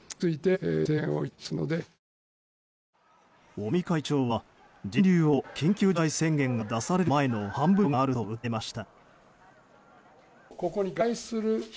尾身会長は人流を緊急事態宣言が出される前の半分にする必要があると訴えました。